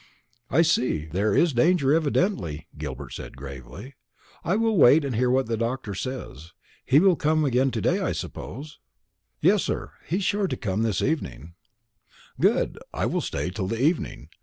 "I see. There is danger evidently," Gilbert said gravely. "I will wait and hear what the doctor says. He will come again to day, I suppose?" "Yes, sir; he's sure to come in the evening." "Good; I will stay till the evening.